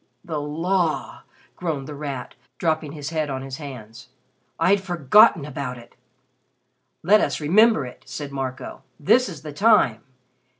"The Law!" groaned The Rat, dropping his head on his hands, "I'd forgotten about it." "Let us remember it," said Marco. "This is the time.